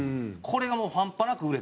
これがもう半端なく売れて。